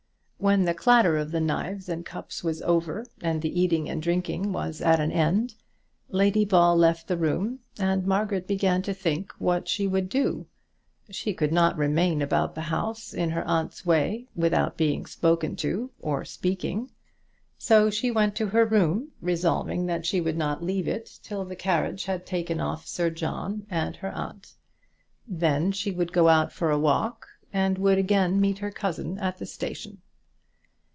When the clatter of the knives and cups was over, and the eating and drinking was at an end, Lady Ball left the room and Margaret began to think what she would do. She could not remain about the house in her aunt's way, without being spoken to, or speaking. So she went to her room, resolving that she would not leave it till the carriage had taken off Sir John and her aunt. Then she would go out for a walk, and would again meet her cousin at the station.